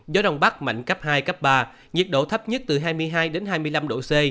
gió đông bắc mạnh cấp hai cấp ba nhiệt độ thấp nhất từ hai mươi hai đến hai mươi năm độ c